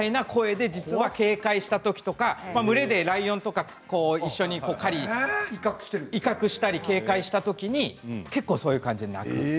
警戒したときとか群れでライオンとか一緒に狩りに行って警戒したり威嚇したときに結構そういう感じになるんです。